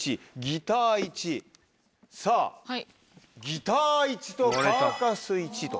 ギターとパーカスと。